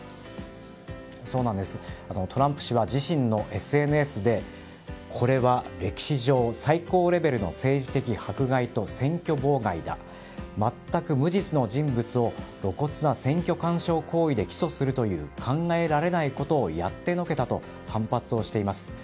トランプ氏は自身のＳＮＳでこれは歴史上最高レベルの政治的迫害と選挙妨害だまったく無実の人物を露骨な選挙干渉行為で起訴するという考えられないことをやってのけたと反発しています。